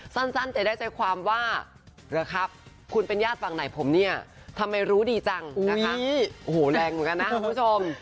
สั้นจะได้ใจความว่าเหรอครับคุณเป็นญาติฝั่งไหนผมเนี่ยทำไมรู้ดีจังนะคะโอ้โหแรงเหมือนกันนะคุณผู้ชม